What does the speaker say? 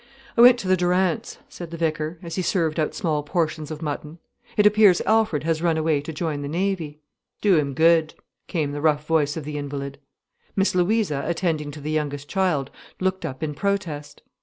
"I went to the Durants," said the vicar, as he served out small portions of mutton; "it appears Alfred has run away to join the Navy." "Do him good," came the rough voice of the invalid. Miss Louisa, attending to the youngest child, looked up in protest.